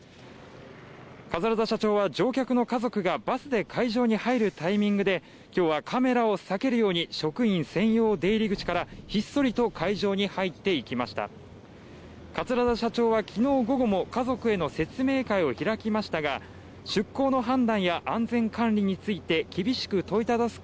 桂田社長は乗客の家族がバスで会場に入るタイミングで今日はカメラを避けるように職員専用出入り口からひっそりと会場に入っていきました桂田社長はきのう午後も家族への説明会を開きましたが出航の判断や安全管理について厳しく問いただす